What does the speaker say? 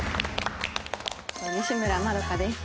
西村まどかです。